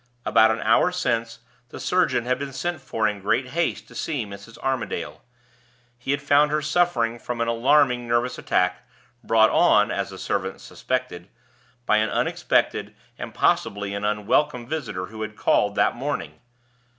About an hour since, the surgeon had been sent for in great haste to see Mrs. Armadale. He had found her suffering from an alarming nervous attack, brought on (as the servants suspected) by an unexpected, and, possibly, an unwelcome visitor, who had called that morning.